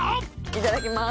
いただきます